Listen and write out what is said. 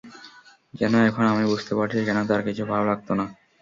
যেন এখন আমি বুঝতে পারছি, কেন তাঁর কিছু ভালো লাগত না।